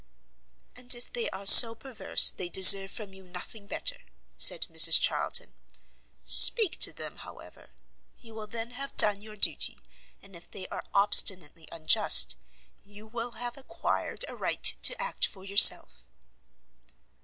"And if they are so perverse, they deserve from you nothing better," said Mrs Charlton; "speak to them, however; you will then have done your duty; and if they are obstinately unjust, you will have acquired a right to act for yourself."